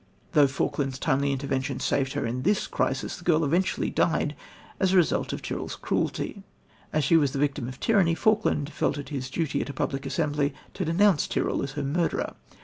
Though Falkland's timely intervention saved her in this crisis, the girl eventually died as the result of Tyrrel's cruelty. As she was the victim of tyranny, Falkland felt it his duty at a public assembly to denounce Tyrrel as her murderer.